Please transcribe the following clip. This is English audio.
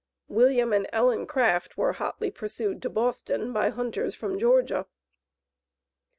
William and Ellen Craft were hotly pursued to Boston by hunters from Georgia.